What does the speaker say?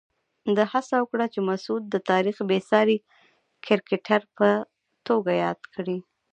ده هڅه وکړه چې مسعود د تاریخ بېساري کرکټر په توګه یاد کړي.